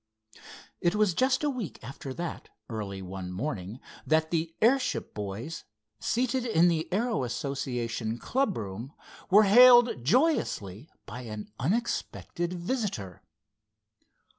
It was just a week after that, early one morning, that the airship boys, seated in the aero association club room, were hailed joyously by an unexpected visitor.